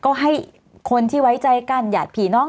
ก็ให้คนที่ไว้ใจกันหยาดผีน้อง